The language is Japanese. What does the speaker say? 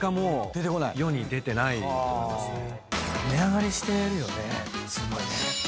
値上がりしてるよねすごいね。